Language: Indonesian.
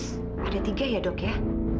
kenapa waktu ditebus ada tiga ya dok ya